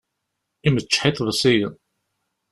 Imeččeḥ iḍebsiyen.